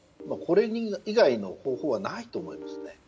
これ以外の方法はないと思います。